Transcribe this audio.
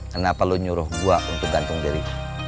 kenapa lo nyuruh gua untuk gantung diri